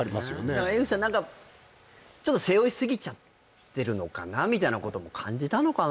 だから江口さん何かちょっと背負いすぎちゃってるのかなみたいなことも感じたのかな